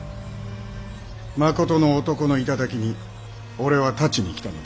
まことの男の頂に俺は立ちに来たのだ。